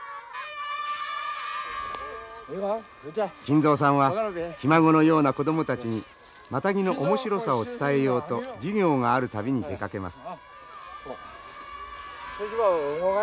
金蔵さんはひ孫のような子供たちにマタギの面白さを伝えようと授業がある度に出かけます。